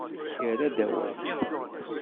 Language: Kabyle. Yerra-d awal.